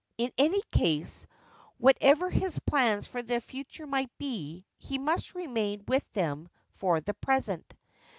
In any case, whatever his plans for the future might be, he must remain with them for the present.